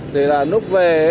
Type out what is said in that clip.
thì là lúc về